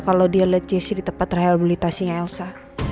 kalau dia liat jessi di tempat terakhir beli tasnya elsa